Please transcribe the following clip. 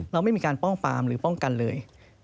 เราไม่มีการป้องฟาร์มหรือป้องกันเลย